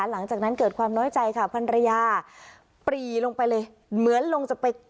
หลังจากนั้นเกิดความน้อยใจค่ะพันรยาปรีลงไปเลยเหมือนลงจะไป